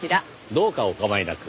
どうかお構いなく。